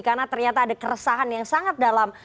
karena ternyata ada keresahan yang sangat dalam